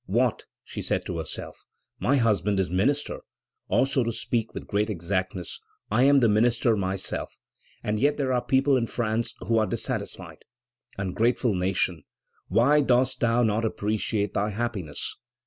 What! she said to herself, my husband is minister, or, to speak with great exactness, I am the minister myself, and yet there are people in France who are dissatisfied! Ungrateful nation, why dost thou not appreciate thy happiness?